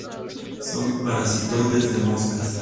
Son parasitoides de moscas.